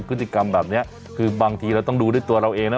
พฤติกรรมแบบนี้คือบางทีเราต้องดูด้วยตัวเราเองนะ